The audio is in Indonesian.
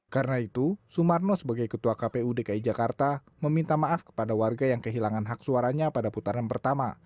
karena itu sumarno sebagai ketua kpu dki jakarta meminta maaf kepada warga yang kehilangan hak suaranya pada putaran pertama